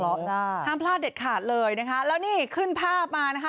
ห้ามพลาดเด็ดขาดเลยนะคะแล้วนี่ขึ้นภาพมานะคะ